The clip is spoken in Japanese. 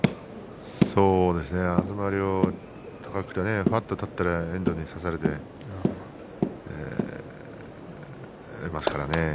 東龍、高くてふわっと立ったら遠藤に差されてしまいますからね。